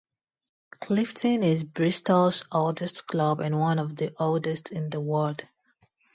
Clifton is Bristol's oldest club, and one of the oldest in the world.